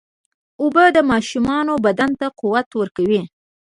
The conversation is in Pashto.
اوبه د ماشوم بدن ته قوت ورکوي.